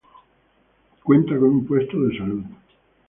Cuenta con un puesto de salud.